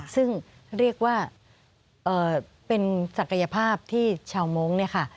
ซึ่งเรียกว่าเป็นศักยภาพที่ชาวมงค์เนี่ยค่ะ